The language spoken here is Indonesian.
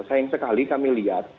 sayang sekali kami lihat